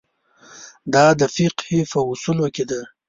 دا د فقهې په اصولو کې ده.